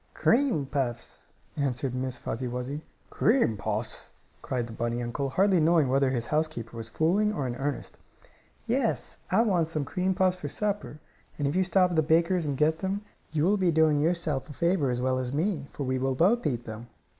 "Cream puffs," answered Miss Fuzzy Wuzzy. "Cream puffs?" cried the bunny uncle, hardly knowing whether his housekeeper was fooling or in earnest. "Yes, I want some cream puffs for supper, and if you stop at the baker's and get them you will be doing yourself a favor as well as me, for we will both eat them."